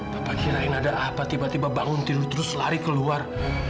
papa kirain ada apa tiba tiba bangun tidur terus lari keluar